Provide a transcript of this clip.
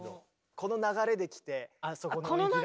この流れで来てあそこの音域だと。